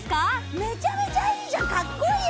めちゃめちゃいいじゃん、カッコいいよ。